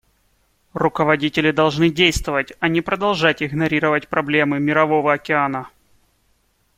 Руководители должны действовать, а не продолжать игнорировать проблемы Мирового океана.